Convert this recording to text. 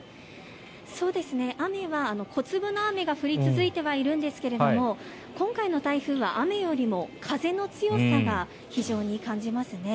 雨は小粒の雨が降り続いてはいるんですけども今回の台風は雨よりも風の強さが非常に感じますね。